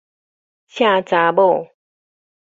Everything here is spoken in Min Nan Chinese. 赤查某